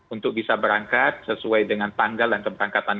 untuk bisa berangkat sesuai dengan tanggal dan keberangkatan